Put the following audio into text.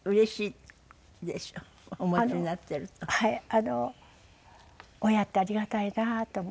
あの親ってありがたいなと思って。